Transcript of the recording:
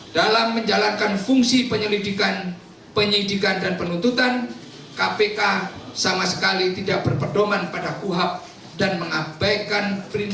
dalam menjalankan fungsi penyelidikan penyidikan dan penuntutan kpk sama sekali tidak berpedoman pada kuhap dan mengabaikan